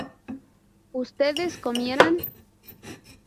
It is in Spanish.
¿ustedes comieran?